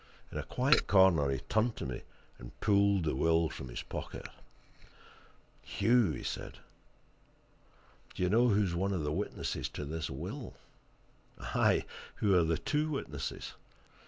In a quiet corner, he turned to me and pulled the will from his pocket. "Hugh!" he said. "Do you know who's one of the witnesses to this will? Aye, who are the two witnesses?